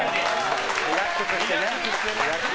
リラックスしてね。